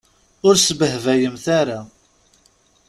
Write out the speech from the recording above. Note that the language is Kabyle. Ur sbehbayemt ara.